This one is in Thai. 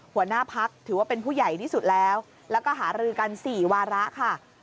หัวหน้าพักถือว่าเป็นผู้ใหญ่ที่สุดแล้วแล้วก็หารือกัน๔วาระค่ะ